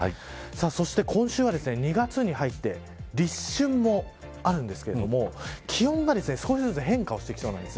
そして今週は２月に入って立春もあるんですけども気温が少しずつ変化してきそうなんです。